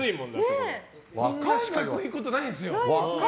こんな四角いことないんですよ。